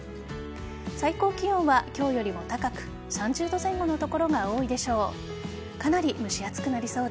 最高気温は今日よりも高く３０度前後の所が多いでしょう。